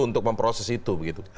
untuk memproses itu